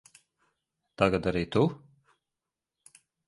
Tagad arī tu?